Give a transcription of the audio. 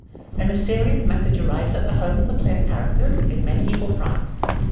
A mysterious message arrives at the home of the player characters in medieval France.